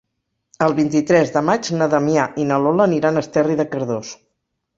El vint-i-tres de maig na Damià i na Lola aniran a Esterri de Cardós.